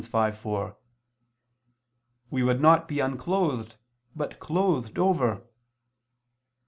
5:4: "We would not be unclothed, but clothed over."